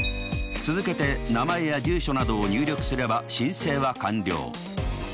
続けて名前や住所などを入力すれば申請は完了。